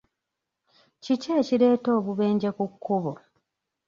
Kiki ekireeta obubenje ku kkubo ?